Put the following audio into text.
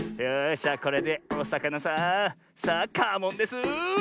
じゃこれでおさかなさんさあカモンです。